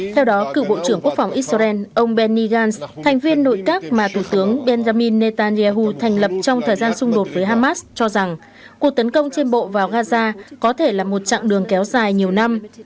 theo đó cựu bộ trưởng quốc phòng israel ông benny gantz thành viên nội các mà thủ tướng benjamin netanyahu thành lập trong thời gian xung đột với hamas cho rằng cuộc tấn công trên bộ vào gaza có thể là một chặng đường kéo dài nhiều năm